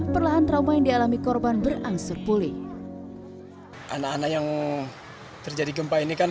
perlahan trauma yang dialami korban berangsur pulih anak anak yang terjadi gempa ini kan